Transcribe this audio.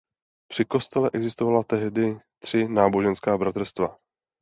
Při kostele existovala tehdy tři náboženská bratrstva.